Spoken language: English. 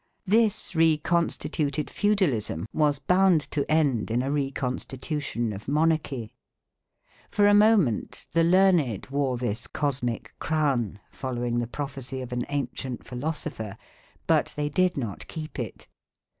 This reconstituted feudalism was bound to end in a reconstitution of monarchy. For a moment the learned wore this cosmic crown, following the prophecy of an ancient philosopher, but they did not keep it.